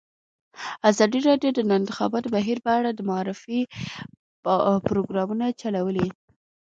ازادي راډیو د د انتخاباتو بهیر په اړه د معارفې پروګرامونه چلولي.